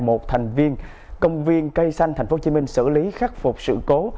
một thành viên công viên cây xanh thành phố hồ chí minh xử lý khắc phục sự cố